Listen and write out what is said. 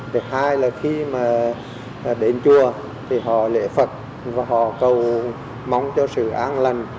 thứ hai là khi mà đến chùa thì họ lễ phật và họ cầu mong cho sự an lành